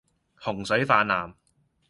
洪水泛濫